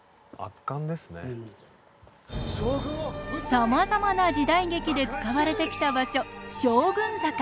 さまざまな時代劇で使われてきた場所将軍坂。